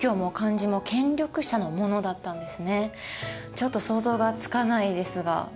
ちょっと想像がつかないですが。